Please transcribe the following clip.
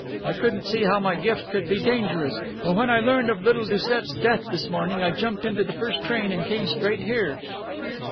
I couldn't see how my gift could be dangerous, but when I learned of little Doucet's death this morning, I jumped into the first train and came straight here."